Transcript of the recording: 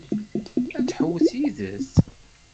Ad tḥewwes yid-s?